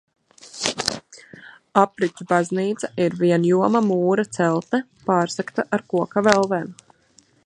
Apriķu baznīca ir vienjoma mūra celtne, pārsegta ar koka velvēm.